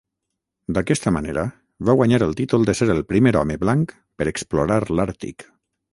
D'aquesta manera va guanyar el títol de ser el primer home blanc per explorar l'Àrtic.